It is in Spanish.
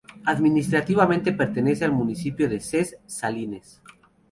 Administrativamente pertenece al municipio de Ses Salines.